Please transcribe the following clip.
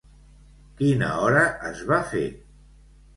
Quina hora es va fer?